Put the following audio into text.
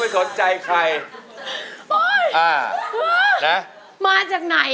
เพื่อจะไปชิงรางวัลเงินล้าน